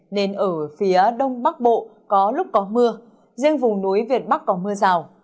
nên ở phía đông bắc bộ có lúc có mưa riêng vùng núi việt bắc có mưa rào